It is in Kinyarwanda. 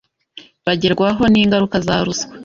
bagerwaho n’ingaruka za ruswa